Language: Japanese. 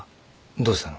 どうしたの？